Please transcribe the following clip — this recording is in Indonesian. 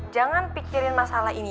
jangan pikirin masalah ini